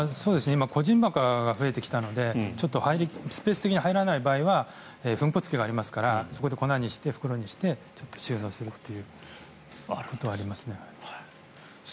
個人墓が増えてきたのでスペース的に入らない場合は粉骨機がありますからそこで粉にして袋にして収納するということはありますね。